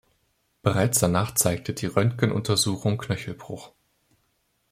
Bereits danach zeigte die Röntgenuntersuchung Knöchelbruch.